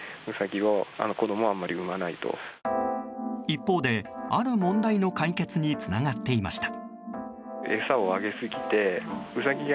一方で、ある問題の解決につながっていました。